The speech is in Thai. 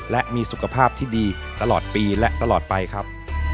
และมีสุขภาพที่ดีตลอดปีและตลอดไปครับ